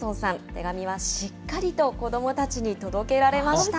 手紙はしっかりと子どもたちに届けられました。